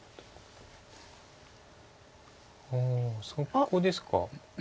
ああそこですか？